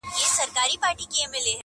• رسوي خبري چي مقام ته د لمبو په زور..